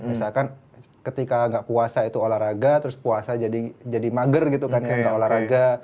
misalkan ketika nggak puasa itu olahraga terus puasa jadi mager gitu kan kayak gak olahraga